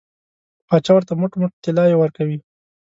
پاچا ورته موټ موټ طلاوې ورکوي.